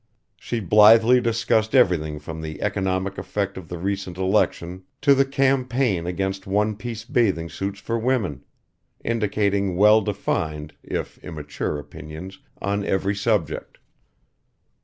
She blithely discussed everything from the economic effect of the recent election to the campaign against one piece bathing suits for women: indicating well defined, if immature opinions on every subject.